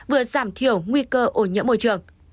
vừa giảm thiểu nguy cơ ổn nhẫn môi trường